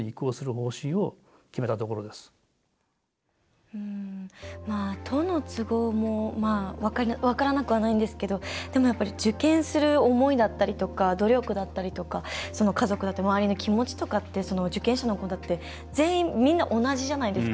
理由を尋ねました都の都合も分からなくはないんですけどでもやっぱり受験する思いだったりとか努力だったりとかその家族だったり周りの気持ちとかって受験者の子だって全員みんな同じじゃないですか。